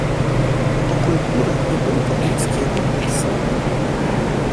Па культуры і быту блізкія да персаў.